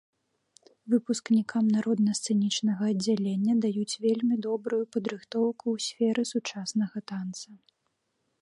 Выпускнікам народна-сцэнічнага аддзялення даюць вельмі добрую падрыхтоўку ў сферы сучаснага танца.